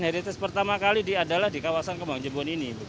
heritage pertama kali adalah di kawasan kembang jepun ini